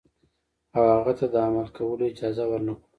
او هغه ته د عمل کولو اجازه ورنکړو.